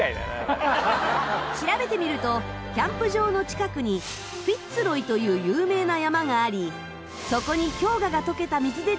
調べてみるとキャンプ場の近くにフィッツ・ロイという有名な山がありそこに氷河が溶けた水でできた湖があるらしい。